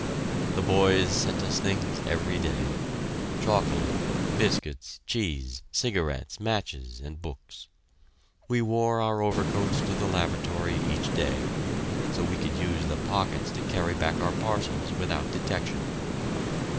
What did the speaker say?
The boys sent us things every day chocolate, biscuits, cheese, cigarettes, matches, and books. We wore our overcoats to the lavatory each day, so we could use the pockets to carry back our parcels without detection.